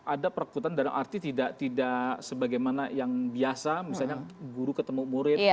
ada perekrutan dalam arti tidak sebagaimana yang biasa misalnya guru ketemu murid